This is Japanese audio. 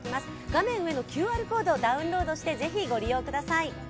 画面上のＱＲコードをダウンロードしてぜひご覧ください。